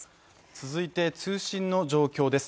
続いて通信の状況です。